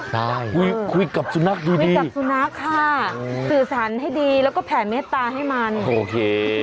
ได้คุยกับสุนักดีค่ะสื่อสัญให้ดีแล้วก็แผ่เมตตาให้มันโอเค